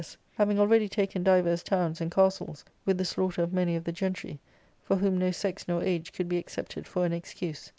3>s having already taken divers towns and castles, with the c/\^ slaughter of many of the gentry ; for whom no sex nor age could be accepted for an excuse.